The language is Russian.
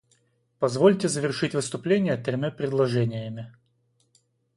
Позвольте завершить выступление тремя предложениями.